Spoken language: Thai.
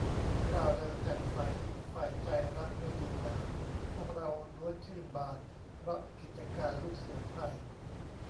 ร่าเริงแจ่มใส ใฝ่ใจรักให้ยืนนาน พวกเราล้วนชื่นบาน เพราะกิจการลูกเสือไทย